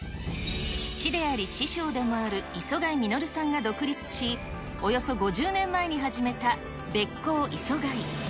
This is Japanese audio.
父であり、師匠でもある磯貝實さんが独立し、およそ５０年前に始めたべっ甲イソガイ。